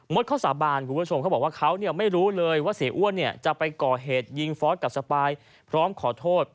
มดเขาสาบานว่าเขาไม่รู้เลยว่าเสียอ้วนจะไปก่อเหตุยิงฟอสกับสปายพร้อมขอโทษ